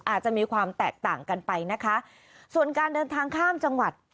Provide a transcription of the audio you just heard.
อาจจะมีความแตกต่างกันไปนะคะส่วนการเดินทางข้ามจังหวัด